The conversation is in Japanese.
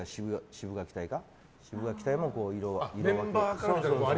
シブがき隊も色分けが。